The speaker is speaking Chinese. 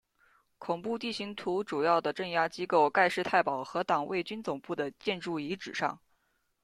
恐怖地形图主要的镇压机构盖世太保和党卫军总部的建筑遗址上。